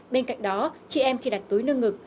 bên cạnh đó chị em khi đặt túi nâng ngực